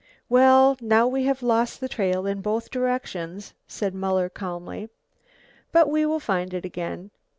"Well, now we have lost the trail in both directions," said Muller calmly. "But we will find it again.